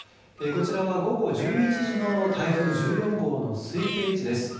こちらは午後１１時の台風１４号の推定位置です。